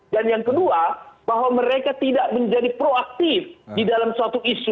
dan yang kedua bahwa mereka tidak menjadi proaktif di dalam suatu isu